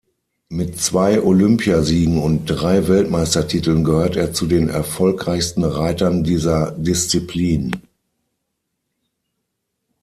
Mit zwei Olympiasiegen und drei Weltmeistertiteln gehört er zu den erfolgreichsten Reitern dieser Disziplin.